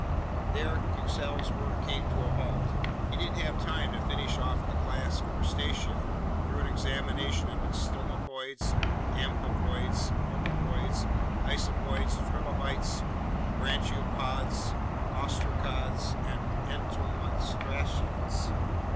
There Conseil's work came to a halt. He didn't have time to finish off the class Crustacea through an examination of its stomatopods, amphipods, homopods, isopods, trilobites, branchiopods, ostracods, and entomostraceans.